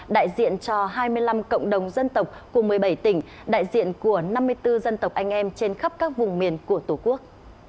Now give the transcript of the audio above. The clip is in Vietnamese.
đại diện cho hai mươi năm cộng đồng dân tộc của một mươi bảy tỉnh đại diện của năm mươi bốn dân tộc anh em trên khắp các vùng miền của tổ quốc